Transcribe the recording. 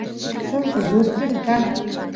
chunka lluspilu kan